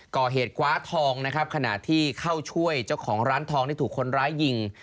ก่อเหตุคว้าทองนะครับขณะที่เข้าช่วยเจ้าของร้านทองที่ถูกคนร้ายยิง